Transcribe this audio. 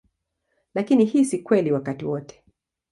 Lakini hii si kweli wakati wote.